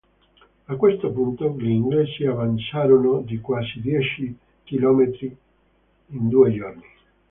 A questo punto gli Inglesi avanzarono di quasi dieci chilometri in due giorni.